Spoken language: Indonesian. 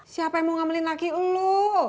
siapa yang mau ngomelin laki elu